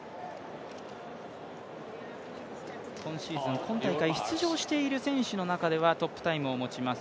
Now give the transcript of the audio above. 今シーズン、今大会出場している選手の中ではトップタイムを持ちます